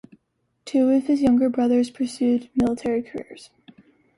Two of his younger brothers pursued military careers.